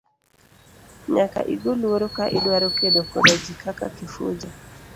Nyaka igo luoro ka idwaro kedo koda ji kaka Kifuja.